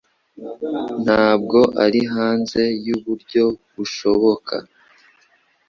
Ntabwo ari hanze yuburyo bushoboka.